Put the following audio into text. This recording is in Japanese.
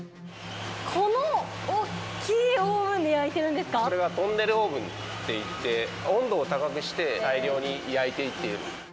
この大きいオーブンで焼いてこれはトンネルオーブンといって、温度を高くして、大量に焼いていってる。